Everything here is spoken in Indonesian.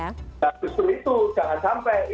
nah justru itu jangan sampai